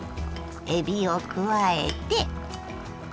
えびを加えて。